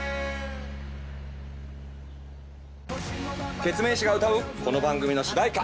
ケツメイシが歌うこの番組の主題歌。